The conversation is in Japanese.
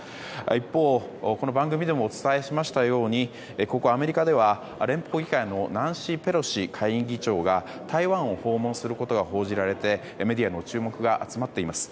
一方、この番組でもお伝えしたようにここアメリカでは連邦議会のペロシ下院議長が台湾を訪問することが報じられてメディアの注目が集まっています。